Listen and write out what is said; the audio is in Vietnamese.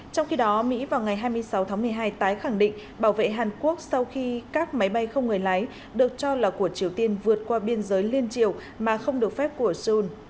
trong khi đó mỹ vào ngày hai mươi sáu tháng một mươi hai tái khẳng định bảo vệ hàn quốc sau khi các máy bay không người lái được cho là của triều tiên vượt qua biên giới liên triều mà không được phép của seoul